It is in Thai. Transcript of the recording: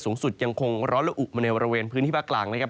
สูงสุดยังคงร้อนละอุมาในบริเวณพื้นที่ภาคกลางนะครับ